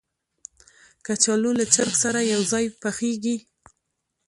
کچالو له چرګ سره یو ځای پخېږي